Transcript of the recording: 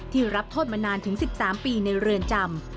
รับโทษมานานถึง๑๓ปีในเรือนจำ